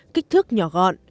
kích thước nhỏ gọn